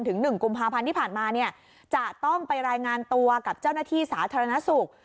ถึง๑กุมภาพันธ์ที่ผ่านมาเนี่ยจะต้องไปรายงานตัวกับเจ้าหน้าที่สาธารณสุข